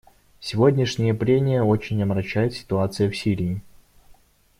Сегодняшние прения очень омрачает ситуация в Сирии.